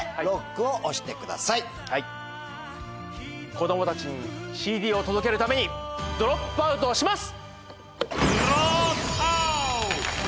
子供たちにＣＤを届けるためにＤＲＯＰＯＵＴをします！